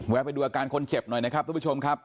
ไปดูอาการคนเจ็บหน่อยนะครับทุกผู้ชมครับ